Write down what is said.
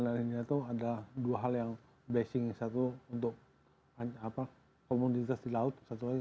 lainnya tuh ada dua hal yang basing satu untuk hanya apa komunitas di laut satu lagi